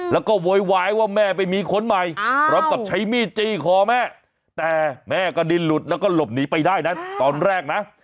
แล้วก็โวยวายว่าแม่ไปมีคนใหม่พร้อมกับใช้มีดจี้คอแม่แต่แม่ก็ดินหลุดแล้วก็หลบหนีไปได้นะตอนแรกนะ